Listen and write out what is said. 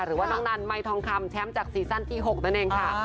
หรือว่าน้องนันไมค์ทองคำแชมป์จากซีซั่นที่๖นั่นเองค่ะ